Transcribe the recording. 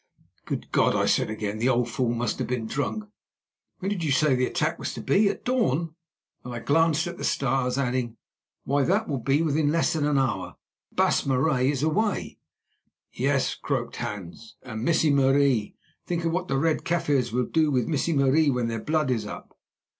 "Good God!" I said again, "the old fool must have been drunk. When did you say the attack was to be—at dawn?" and I glanced at the stars, adding, "Why, that will be within less than an hour, and the Baas Marais is away." "Yes," croaked Hans; "and Missie Marie—think of what the Red Kaffirs will do with Missie Marie when their blood is up."